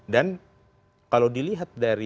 dan kalau dilihat dari